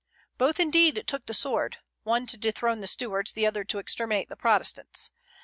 Both indeed took the sword, the one to dethrone the Stuarts, the other to exterminate the Protestants.